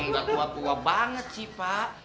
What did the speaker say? nggak tua tua banget sih pak